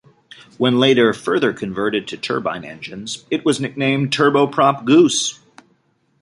When later further converted to turbine engines, it was nicknamed "Turboprop Goose".